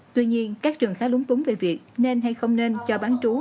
tuy nhiên các trường khá lúng túng về việc nên hay không nên cho bán trú